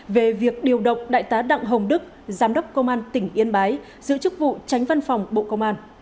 về việc điều động đại tá đặng hồng đức giám đốc công an tỉnh yên bái giữ chức vụ tránh văn phòng bộ công an